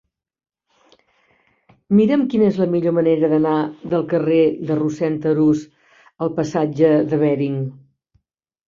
Mira'm quina és la millor manera d'anar del carrer de Rossend Arús al passatge de Bering.